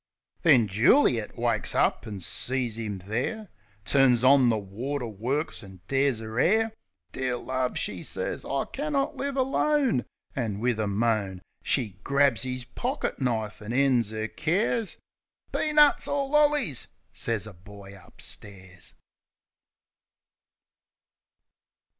Then Juli et wakes up an' sees 'im there. Turns on the water works an' tears 'er 'air, "Dear love," she sez, "I cannot live alone!" An' wif a moan. She grabs 'is pockit knife, an' ends 'er cares ... "Peanuts or lollies!" sez a boy upstairs.